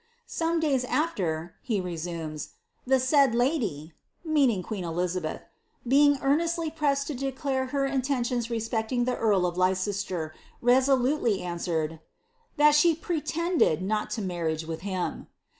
'■ 3onie days after," he resumes, " the said (meaning queen Elizabelli), being earnrally pressed lo declare her in Rons respecting the earl of Leicester, resolutely answered, * that pTflended not to marriage with him.